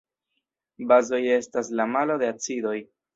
Bazoj estas la malo de acidoj.